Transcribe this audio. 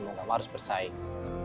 maka harus bersaing